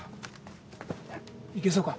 行けそうか？